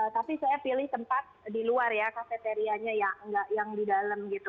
tapi saya pilih tempat di luar ya kafeterianya yang di dalam gitu